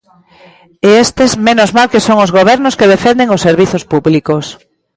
E estes menos mal que son os gobernos que defenden os servizos públicos.